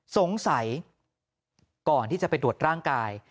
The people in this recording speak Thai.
สงสัยก่อนที่จะไปตรวจร่างกาย